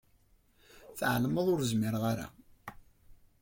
Tɛelmeḍ ur zmireɣ ara.